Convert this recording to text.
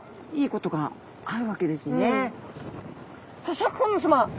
さあシャーク香音さま